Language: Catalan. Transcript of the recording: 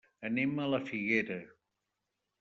Anem a la Figuera.